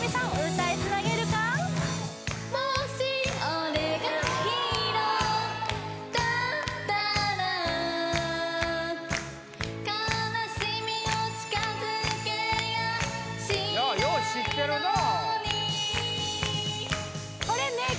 歌いつなげるかよう知ってるなあ